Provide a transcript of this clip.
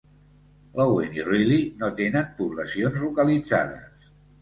Lawen i Riley no tenen poblacions localitzades.